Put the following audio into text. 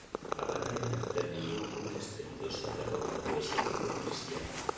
A batalla terminou cunha estrepitosa derrota do exército cristián.